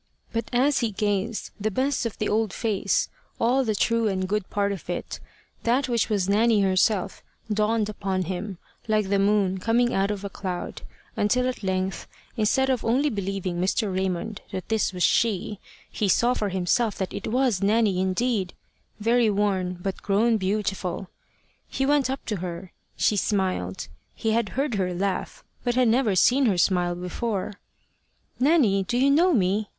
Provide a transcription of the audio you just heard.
But as he gazed, the best of the old face, all the true and good part of it, that which was Nanny herself, dawned upon him, like the moon coming out of a cloud, until at length, instead of only believing Mr. Raymond that this was she, he saw for himself that it was Nanny indeed very worn but grown beautiful. He went up to her. She smiled. He had heard her laugh, but had never seen her smile before. "Nanny, do you know me?"